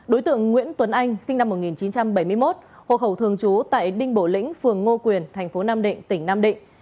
đối tượng nguyễn tuấn anh sinh năm một nghìn chín trăm bảy mươi một hộ khẩu thường trú tại đinh bộ lĩnh phường ngô quyền thành phố nam định tỉnh nam định